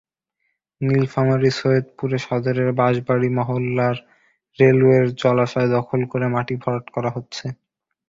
নীলফামারীর সৈয়দপুর সদরের বাঁশবাড়ি মহল্লায় রেলওয়ের জলাশয় দখল করে মাটি ভরাট করা হচ্ছে।